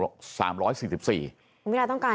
คุณพิธาต้องการ